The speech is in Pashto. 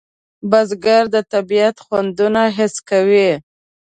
بزګر د طبیعت خوندونه حس کوي